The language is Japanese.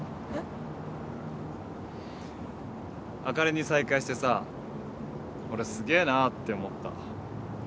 あかりに再会してさ俺すげえなって思った。